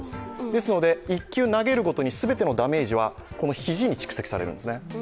ですので、１球投げるごとに全てのダメージは肘に蓄積されるんです。